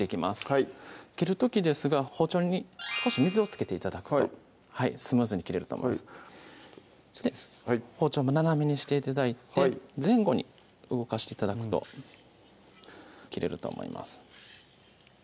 はい切る時ですが包丁に少し水を付けて頂くとスムーズに切れると思います包丁を斜めにして頂いて前後に動かして頂くと切れると思います